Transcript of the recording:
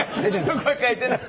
そこは書いてない。